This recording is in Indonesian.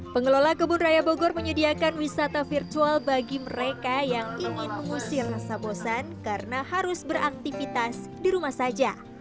pengelola kebun raya bogor menyediakan wisata virtual bagi mereka yang ingin mengusir rasa bosan karena harus beraktivitas di rumah saja